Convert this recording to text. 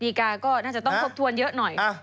ดีกาก็น่าจะต้องทบทวนเยอะหน่อย